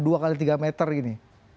dua x tiga meter ini